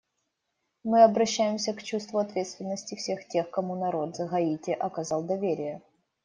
Мы обращаемся к чувству ответственности всех тех, кому народ Гаити оказал доверие.